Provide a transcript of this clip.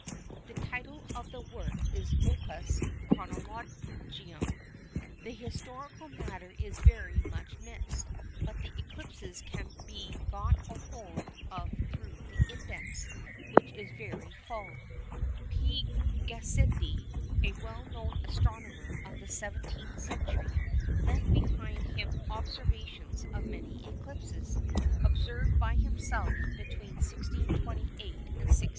The title of the work is Opus Chronologicum. The historical matter is very much mixed, but the eclipses can be got hold of through the Index, which is very full. P. Gassendi, a well known astronomer of the 17th century, left behind him observations of many eclipses observed by himself between 1628 and 1655.